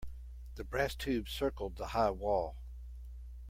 The brass tube circled the high wall.